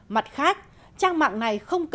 mặt khác trang mạng này không tự do